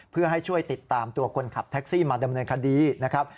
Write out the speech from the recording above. เพื่อให้ช่วยติดตามตัวคนขับแท็กซี่มาดำเนินคดีนะครับ